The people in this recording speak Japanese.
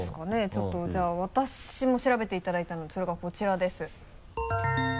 ちょっとじゃあ私も調べていただいたのでそれがこちらです。